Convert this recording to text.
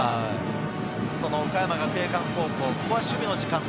岡山学芸館高校、守備の時間帯。